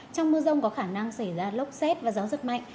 trong mưa rông có khả năng xảy ra lốc xét và gió rất mạnh